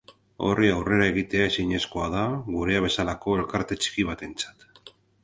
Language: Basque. Horri aurre egitea ezinezkoa da gurea bezalako elkarte txiki batentzat.